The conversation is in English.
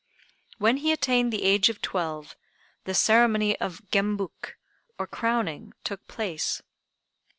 When he attained the age of twelve the ceremony of Gembuk (or crowning) took place.